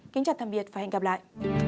kính chào tạm biệt và hẹn gặp lại